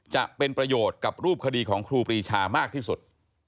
จะเป็นประโยชน์กับรูปคดีของครูปรีชามากที่สุด